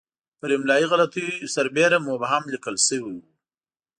پر املایي غلطیو برسېره مبهم لیکل شوی وو.